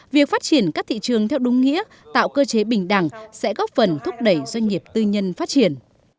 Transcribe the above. việc phát triển các thị trường theo đúng nghĩa tạo cơ chế bình đẳng sẽ góp phần thúc đẩy doanh nghiệp tư nhân phát triển